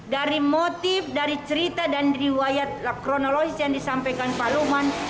dari motif dari cerita dan dari wayat kronologis yang disampaikan pak luman